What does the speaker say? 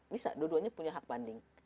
bisa dua duanya punya hak banding